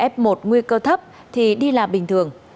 f một nguy cơ thấp thì đi là bình thường